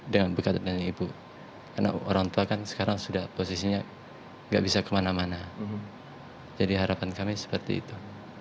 dengan berkat dengan ibu karena orang tua kan sekarang sudah posisinya nggak bisa kemana mana jadi harapan kami seperti itu